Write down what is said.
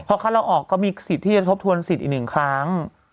พอเขาเราออกก็มีสิทธิ์ที่จะทบทวนสิทธิ์อีกหนึ่งครั้ง